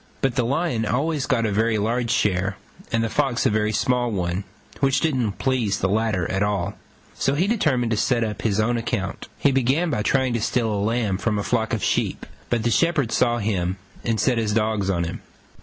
But the Lion always got a very large share, and the Fox a very small one, which didn't please the latter at all; so he determined to set up on his own account. He began by trying to steal a lamb from a flock of sheep: but the shepherd saw him and set his dogs on him.